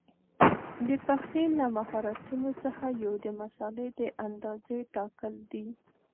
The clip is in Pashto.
د پخلي له مهارتونو څخه یو د مسالې د اندازې ټاکل دي.